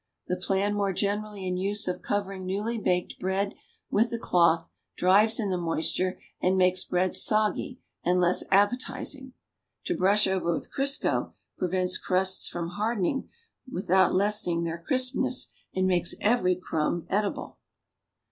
The plan more generally in use :of covering newly baked bread with a cloth drives in the moisture and makes bread soggy and less appetizing. To l>rush over with Crisco prevents crusts from hardening without lessening their crispness, and makes every crumb edible.